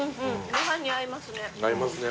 ご飯に合いますね。